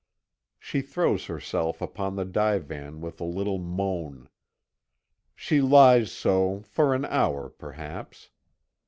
She throws herself upon the divan with a little moan. She lies so for an hour, perhaps.